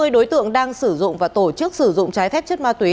hai mươi đối tượng đang sử dụng và tổ chức sử dụng trái phép chất ma túy